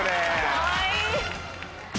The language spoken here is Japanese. かわいい。